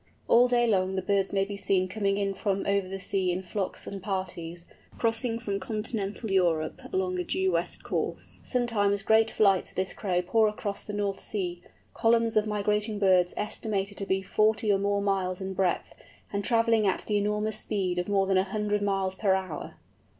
All day long the birds may be seen coming in from over the sea in flocks and parties, crossing from continental Europe along a due west course. Sometimes great flights of this Crow pour across the North Sea—columns of migrating birds estimated to be forty or more miles in breadth, and travelling at the enormous speed of more than a hundred miles per hour!